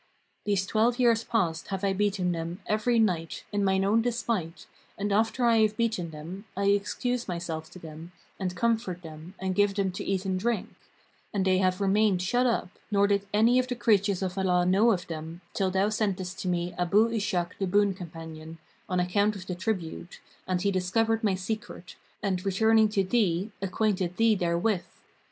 These twelve years past have I beaten them every night, in mine own despite, and after I have beaten them, I excuse myself to them and comfort them and give them to eat and drink; and they have remained shut up, nor did any of the creatures of Allah know of them, till thou sentest to me Abu Ishak the boon companion, on account of the tribute, and he discovered my secret and returning to thee, acquainted thee therewith.